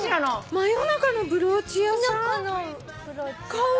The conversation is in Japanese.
「真夜中のブローチ屋さん」？